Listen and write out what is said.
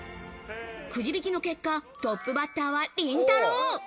くじ引きの結果、トップバッターはりんたろー。